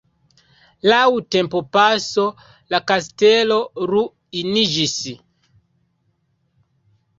Laŭ tempopaso la kastelo ruiniĝis.